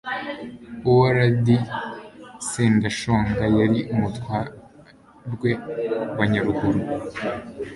owalidi sendashonga yari umutwarwe wa nyaruguru